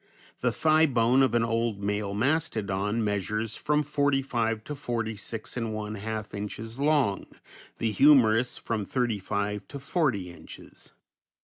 The thigh bone of an old male mastodon measures from forty five to forty six and one half inches long, the humerus from thirty five to forty inches.